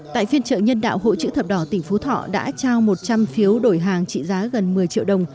tại phiên trợ nhân đạo hội chữ thập đỏ tỉnh phú thọ đã trao một trăm linh phiếu đổi hàng trị giá gần một mươi triệu đồng